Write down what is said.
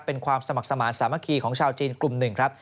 เป็นความสมัครสมาธิสามัคคีของชาวจีนกลุ่มหนึ่งครับ